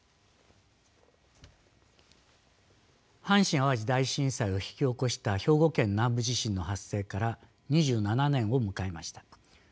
阪神・淡路大震災を引き起こした兵庫県南部地震の発生から２７年を迎えました。